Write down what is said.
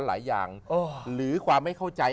หลายอย่างหรือความไม่เข้าใจ